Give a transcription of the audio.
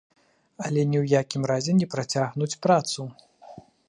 Але ні ў якім разе не працягнуць працу.